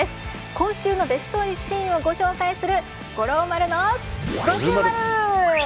今週のベストシーンをご紹介する「五郎丸の五重マル」！